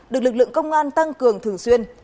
được lực lượng công an tăng cường thường xuyên